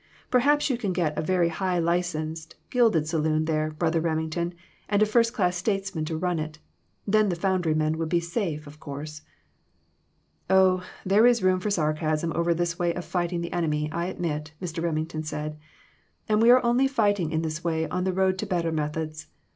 Perhaps you can get a very high licensed, gilded saloon there, Brother Remington, and a first class statesman to run it. Then the foundry men will be safe, of course !" "Oh, there is room for sarcasm over this way of fighting the enemy, I admit," Mr. Remington said; "and we are only fighting in this way on the road to better methods.